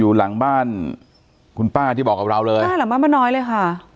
อยู่หลังบ้านคุณป้าที่บอกกับเราเลยบ้านหลังบ้านมาน้อยเลยค่ะ